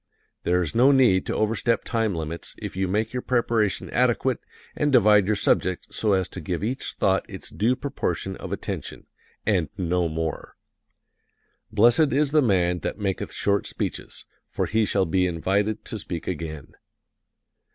There is no need to overstep time limits if you make your preparation adequate and divide your subject so as to give each thought its due proportion of attention and no more. Blessed is the man that maketh short speeches, for he shall be invited to speak again.